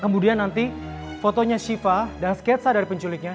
kemudian nanti fotonya shiva dan sketsa dari penculiknya